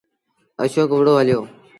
اشوڪ وُهڙو هليو۔